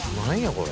これ。